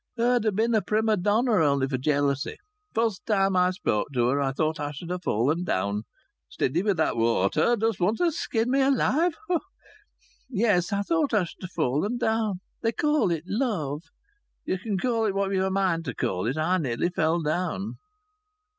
Her'd ha' bin a prima donna only for jealousy. Fust time I spoke to her I thought I should ha' fallen down. Steady with that water. Dost want for skin me alive? Yes, I thought I should ha' fallen down. They call'n it love. You can call it what ye'n a mind for call it. I nearly fell down."